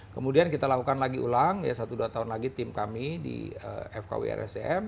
kemudian kita lakukan lagi ulang ya satu dua tahun lagi tim kami di fkw rscm